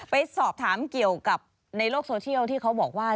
ไปสอบถามเกี่ยวกับในโลกโซเชียลที่เขาบอกว่า